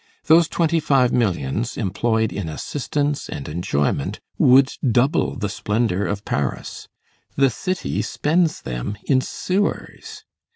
These twenty five millions, employed in assistance and enjoyment, would double the splendor of Paris. The city spends them in sewers.